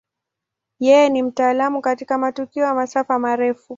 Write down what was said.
Yeye ni mtaalamu katika matukio ya masafa marefu.